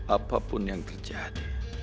apapun yang terjadi